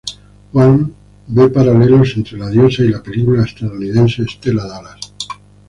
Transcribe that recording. Wang ve paralelos entre "La Diosa" y la película estadounidense "Stella Dallas".